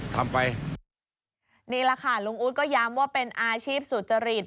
ทำไปนี่แหละค่ะลุงอู๊ดก็ย้ำว่าเป็นอาชีพสุจริต